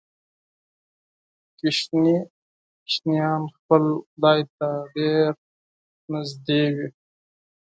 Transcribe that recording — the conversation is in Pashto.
کوچني ماشومان خپل خدای ته ډیر نږدې وي.